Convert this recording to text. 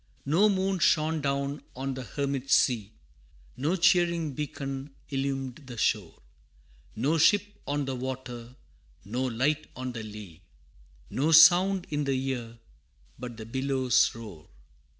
No moon shone down on the hermit sea, No cheering beacon illumed the shore, No ship on the water, no light on the lea, No sound in the ear but the billow's roar!